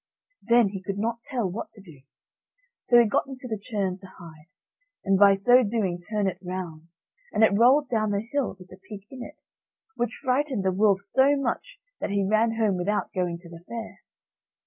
Then he could not tell what to do. So he got into the churn to hide, and by so doing turned it round, and it rolled down the hill with the pig in it, which frightened the wolf so much, that he ran home without going to the fair.